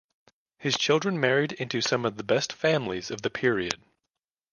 His children married into some of the best families of the period.